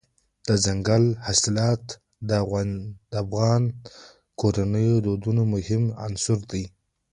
دځنګل حاصلات د افغان کورنیو د دودونو مهم عنصر دی.